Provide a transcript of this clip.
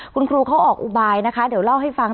คุณครูเขาออกอุบายนะคะเดี๋ยวเล่าให้ฟัง